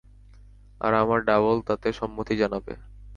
আর আমার ডাবল তাতে সম্মতি জানাবে।